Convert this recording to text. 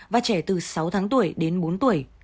và trẻ từ sáu tháng tuổi đến bốn tuổi